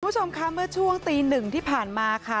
คุณผู้ชมค่ะเมื่อช่วงตีหนึ่งที่ผ่านมาค่ะ